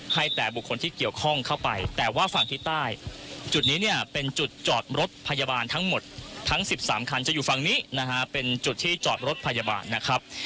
ให้แต่บุคคลที่เกี่ยวข้องเข้าไปแต่ว่าฝั่งที่ใต้จุดนี้เนี่ยเป็นจุดจอดรถพยาบาลทั้งหมดทั้ง๑๓คันจะอยู่ฝั่งนี้นะฮะเป็นจุดที่จอดรถพยาบาลนะครับ